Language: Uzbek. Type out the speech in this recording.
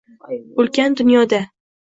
Ulkan dunyoda